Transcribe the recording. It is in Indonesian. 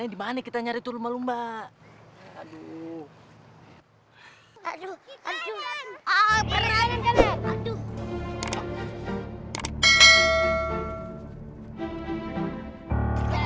di mana mana kita nyari turun lomba lomba aduh aduh aduh aduh